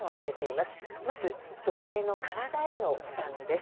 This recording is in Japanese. まず、女性の体への負担です。